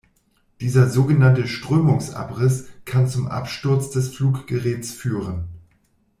Dieser sogenannte Strömungsabriss kann zum Absturz des Fluggeräts führen.